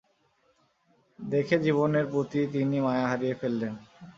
দেখে জীবনের প্রতি তিনি মায়া হারিয়ে ফেললেন।